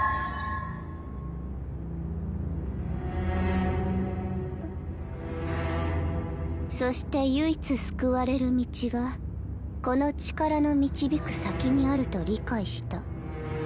んっそして唯一救われる道がこの力の導く先にあると理解した。